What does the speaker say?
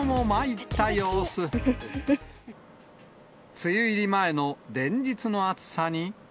梅雨入り前の連日の暑さに。